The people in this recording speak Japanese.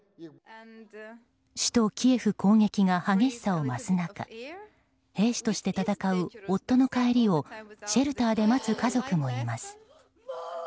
首都キエフ攻撃が激しさを増す中兵士として戦う夫の帰りをシェルターで待つ家族もいます。